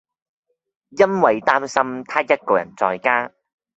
因為擔心她一個人在家